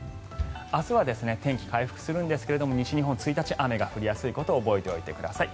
明日は天気が回復するんですが西日本は１日雨が降りやすいことを覚えておいてください。